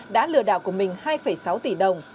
đã lừa đảo của mình hai sáu tỷ đồng